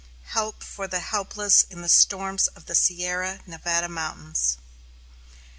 "Help for the helpless in the storms of the Sierra Nevada Mountains!"